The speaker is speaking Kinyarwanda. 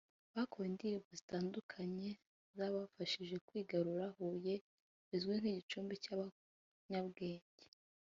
bakoe indirimbo zitandukanye zabafashije kwigarurira Huye izwi nk'igicumbi cy'abanyabwenge